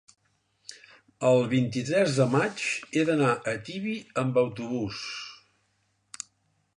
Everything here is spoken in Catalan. El vint-i-tres de maig he d'anar a Tibi amb autobús.